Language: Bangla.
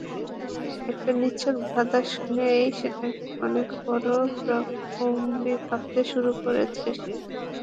একটা নিছক ধাঁধাঁ শুনেই সেটাকে অনেক বড় ব্রেকথ্রু ভাবতে শুরু করেছে সে।